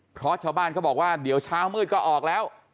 เพราะชาวบ้านเขาบอกว่าเดี๋ยวเช้ามืดก็ออกแล้ว